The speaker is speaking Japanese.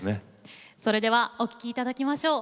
それではお聴きいただきましょう。